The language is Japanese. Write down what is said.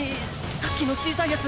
さっきの小さい奴？